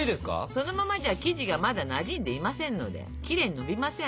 そのままじゃ生地がまだなじんでいませんのできれいにのびません。